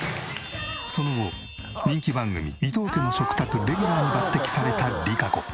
その後人気番組『伊東家の食卓』レギュラーに抜擢されたＲＩＫＡＣＯ。